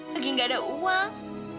lagi gak ada uang